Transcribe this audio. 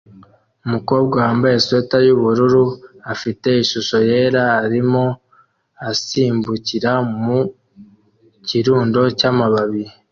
Umukobwa wambaye swater yubururu afite ishusho yera arimo asimbukira mu kirundo cyamababi